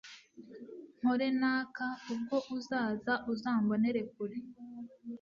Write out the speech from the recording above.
mpore naka ubwo uzaza uzambonere kure